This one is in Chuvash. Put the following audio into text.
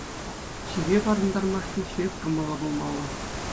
Чире парӑнтармашкӑн ҫирӗп кӑмӑллӑ пулмалла.